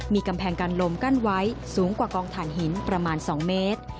มีกำแพงกันลมกั้นไว้สูงกว่ากองฐานหินประมาณ๒เมตร